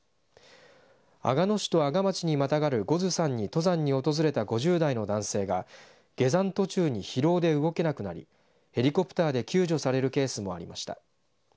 阿賀野市と阿賀町にまたがる五頭山に登山に訪れた５０代の男性が下山途中に疲労で動けなくなりヘリコプターで救助されるケースもありました。